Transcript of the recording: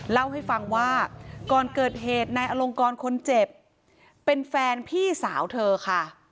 เล่าให้ฟังว่าก่อนเกิดเหตุนายอลงกรคนเจ็บเป็นแฟนพี่สาวเธอค่ะ